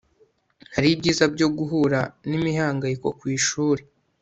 hari ibyiza byo guhura n'imihanganyiko ku ishuri